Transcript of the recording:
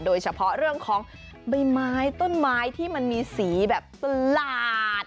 โดยเฉพาะเรื่องของใบไม้ต้นไม้ที่มันมีสีแบบประหลาด